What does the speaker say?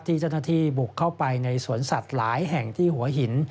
ที่เจ้าหน้าที่บุกเข้าไปในสวนสัตว์หลายแห่งที่หัวหิน